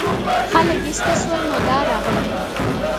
خلک ایسته شول نو دا راغله.